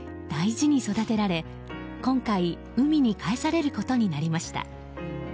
それ以来、大事に育てられ今回、海に帰されることになりました。